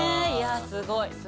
いやすごい！